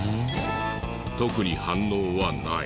特に反応はない。